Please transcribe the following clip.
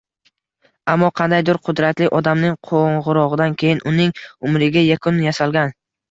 Ammo qandaydur «qudratli» odamning qo‘ng‘irog‘idan keyin uning umriga yakun yasalgan.